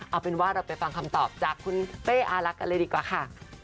เอาเป็นว่าเราไปฟังคำตอบจากคุณเป้อารักกันเลยดีกว่าค่ะ